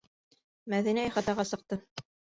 Мәҙинә ихатаға сыҡты.